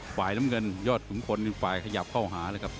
ฝ่ายน้ำเงินยอดขุมพลฝ่ายขยับเข้าหาเลยครับ